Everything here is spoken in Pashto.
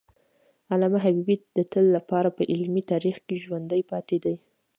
علامه حبیبي د تل لپاره په علمي تاریخ کې ژوندی پاتي دی.